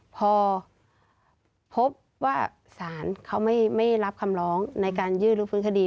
พอพบว่าศาลเขาไม่รับคำร้องในการยื่นรู้ฟื้นคดี